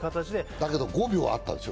だけど５秒あったでしょ。